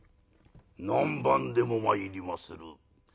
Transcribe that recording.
「何番でも参りまする」。